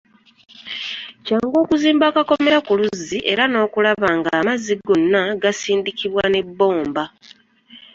Kyangu okuzimba akakomera ku luzzi era n'okulaba nga amazzi gonna gasindikibwa n'ebbomba.